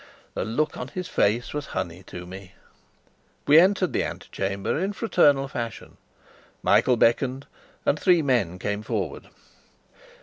The look on his face was honey to me. We entered the ante chamber in fraternal fashion. Michael beckoned, and three men came forward.